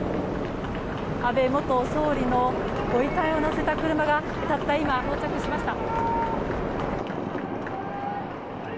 安倍元総理のご遺体を乗せた車がたった今、到着しました。